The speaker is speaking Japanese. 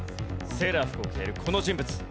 セーラー服を着ているこの人物。